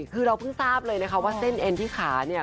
คือเราเพิ่งทราบเลยนะคะว่าเส้นเอ็นที่ขาเนี่ย